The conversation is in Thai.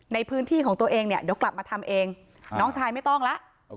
ในพื้นที่ของตัวเองเนี่ยเดี๋ยวกลับมาทำเองน้องชายไม่ต้องแล้ว